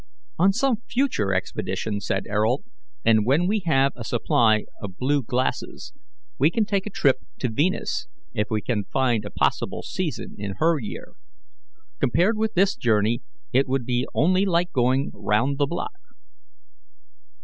"On some future expedition," said Ayrault, "and when we have a supply of blue glasses, we can take a trip to Venus, if we can find a possible season in her year. Compared with this journey, it would be only like going round the block."